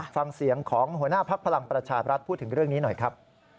ฟังเสียงของหัวหน้าภักดิ์พลังประชาบรัฐพูดถึงเรื่องนี้หน่อยครับ